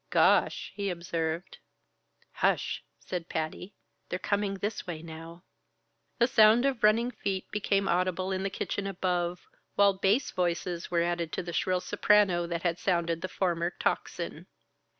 "Gosh!" he observed. "Hush!" said Patty. "They're coming this way now!" The sound of running feet became audible in the kitchen above, while bass voices were added to the shrill soprano that had sounded the former tocsin.